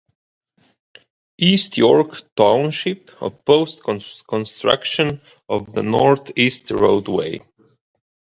East York Township opposed construction of the north-east roadway.